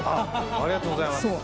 ありがとうございます。